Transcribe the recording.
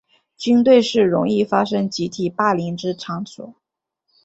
军队是容易发生集体霸凌之场所。